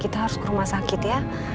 kita harus ke rumah sakit ya